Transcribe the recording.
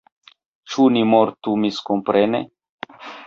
Ĉu ni mortu miskomprene?